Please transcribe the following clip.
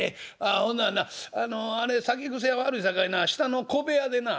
ほんならなあれ酒癖悪いさかいな下の小部屋でな